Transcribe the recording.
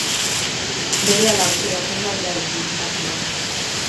Berehala oxidatzen da airearekin kontaktuan.